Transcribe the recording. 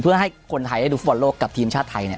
เพื่อให้คนไทยได้ดูฟุตบอลโลกกับทีมชาติไทยเนี่ย